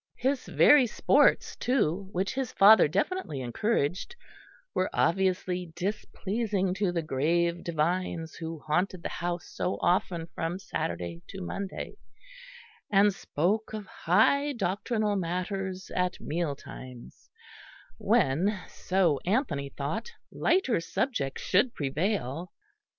His very sports, too, which his father definitely encouraged, were obviously displeasing to the grave divines who haunted the house so often from Saturday to Monday, and spoke of high doctrinal matters at meal times, when, so Anthony thought, lighter subjects should prevail.